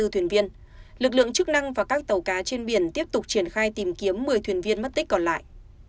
hai mươi thuyền viên lực lượng chức năng và các tàu cá trên biển tiếp tục triển khai tìm kiếm một mươi thuyền viên mất tích còn lại